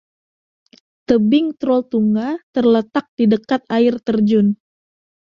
Tebing Trolltunga terletak di dekat air terjun.